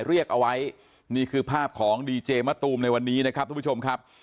เรียกเอาไว้นี่คือภาพของดีเจมะตูมในวันนี้นะครับ